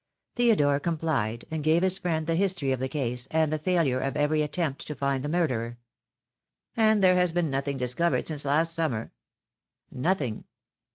Theodore complied, and gave his friend the history of the case, and the failure of every attempt to find the murderer. "And there has been nothing discovered since last summer?" "Nothing!"